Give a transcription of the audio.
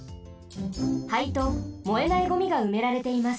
灰と燃えないゴミがうめられています。